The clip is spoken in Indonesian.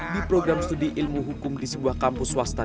di program studi ilmu hukum di sebuah kampus swasta